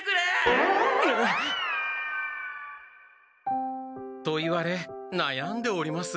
あ。と言われなやんでおります。